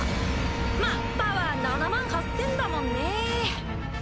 まっパワー７８０００だもんね。